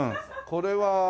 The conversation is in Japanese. これは何？